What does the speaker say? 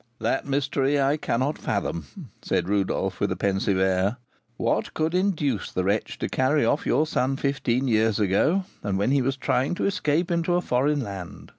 "That mystery I cannot fathom," said Rodolph, with a pensive air. "What could induce the wretch to carry off your son fifteen years ago, and when he was trying to escape into a foreign land?